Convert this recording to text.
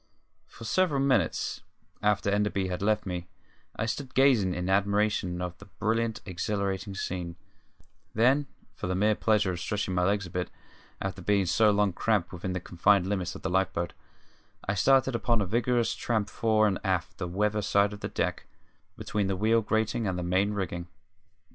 For several minutes after Enderby had left me I stood gazing in admiration at the brilliant, exhilarating scene; then, for the mere pleasure of stretching my legs a bit, after being for so long cramped within the confined limits of the life boat, I started upon a vigorous tramp fore and aft the weather side of the deck, between the wheel grating and the main rigging.